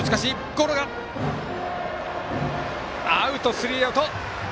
スリーアウト。